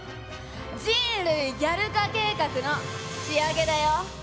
「人類ギャル化計画」の仕上げだよ。